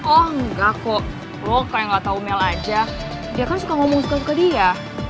oh enggak kok lo kayak gak tau mel aja dia kan suka ngomong strum ke dia